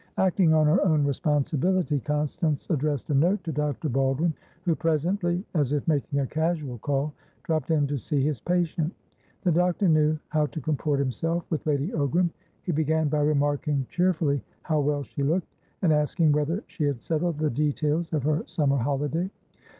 Acting on her own responsibility, Constance addressed a note to Dr. Baldwin, who presently, as if making a casual call, dropped in to see his patient. The doctor knew how to comport himself with Lady Ogram. He began by remarking cheerfully how well she looked, and asking whether she had settled the details of her summer holiday.